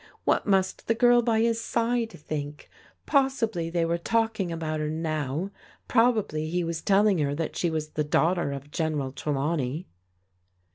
What must the girl by his side think? Possibly they were taUdng about her now. Probably he was telling her that she was the daughter of General Trelawney.